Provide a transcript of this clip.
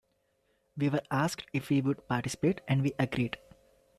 "We were asked if we would participate and we agreed".